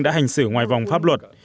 đã hành xử ngoài vòng pháp luật